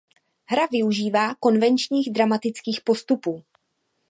Hra využívá konvenčních dramatických postupů.